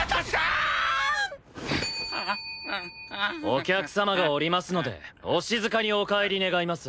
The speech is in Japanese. お客様がおりますのでお静かにお帰り願います。